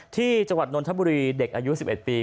จังหวัดนนทบุรีเด็กอายุ๑๑ปี